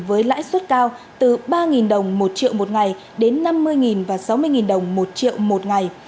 với lãi suất cao từ ba đồng một triệu một ngày đến năm mươi và sáu mươi đồng một triệu một ngày